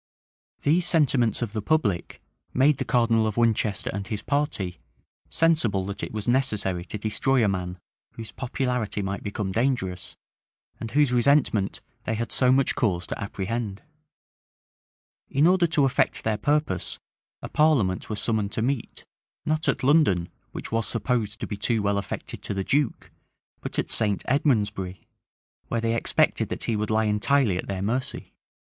These sentiments of the public made the cardinal of Winchester and his party sensible that it was necessary to destroy a man whose popularity might become dangerous, and whose resentment they had so much cause to apprehend. In order to effect their purpose, a parliament was summoned to meet, not at London, which was supposed to be too well affected to the duke, but at St. Edmondsbury, where they expected that he would lie entirely at their mercy.